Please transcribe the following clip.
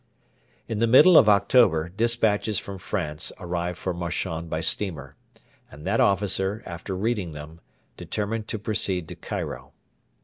In the middle of October despatches from France arrived for Marchand by steamer; and that officer, after reading them, determined to proceed to Cairo.